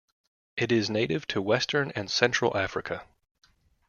It is native to western and central Africa.